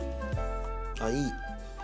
あっいい。